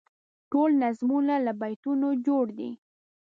ټول نظمونه له بیتونو جوړ دي.